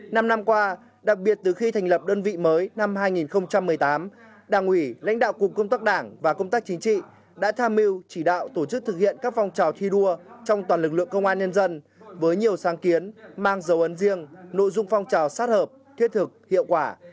năm năm qua đặc biệt từ khi thành lập đơn vị mới năm hai nghìn một mươi tám đảng ủy lãnh đạo cục công tác đảng và công tác chính trị đã tham mưu chỉ đạo tổ chức thực hiện các phong trào thi đua trong toàn lực lượng công an nhân dân với nhiều sáng kiến mang dấu ấn riêng nội dung phong trào sát hợp thiết thực hiệu quả